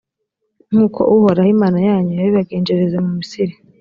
nk’uko uhoraho imana yanyu yabibagenjereje mu misiri